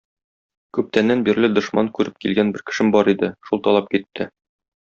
Күптәннән бирле дошман күреп килгән бер кешем бар иде, шул талап китте.